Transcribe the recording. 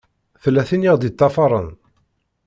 Tella tin i ɣ-d-iṭṭafaṛen.